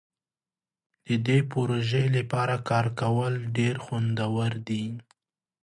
د دې پروژې لپاره کار کول ډیر خوندور دي.